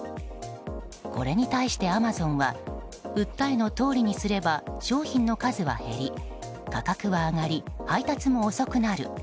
これに対して、アマゾンは訴えのとおりにすれば商品の数は減り、価格は上がり配達も遅くなる。